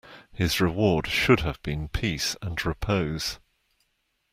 His reward should have been peace and repose.